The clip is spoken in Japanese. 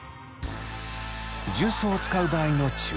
重曹を使う場合の注意点。